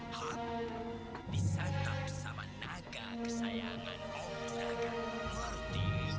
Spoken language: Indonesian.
kamu jangan sampai kesini morty jangan